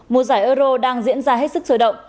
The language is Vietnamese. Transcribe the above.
mùa giải euro đang diễn ra hết sức sôi động